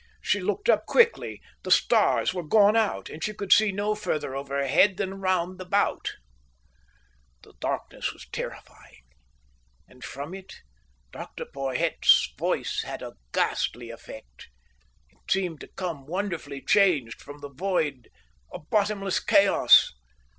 She looked up quickly; the stars were gone out, and she could see no further over her head than round about. The darkness was terrifying. And from it, Dr Porhoët's voice had a ghastly effect. It seemed to come, wonderfully changed, from the void of bottomless chaos.